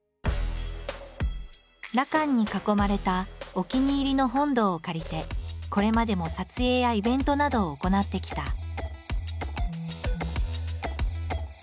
羅漢に囲まれたお気に入りの本堂を借りてこれまでも撮影やイベントなどを行ってきた。